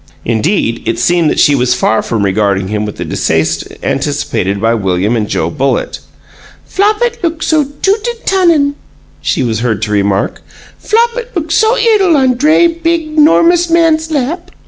Indeed, it seemed that she was far from regarding him with the distaste anticipated by William and Joe Bullitt. "Flopit look so toot an' tunnin'," she was heard to remark. "Flopit look so 'ittle on dray, big, 'normous man's lap."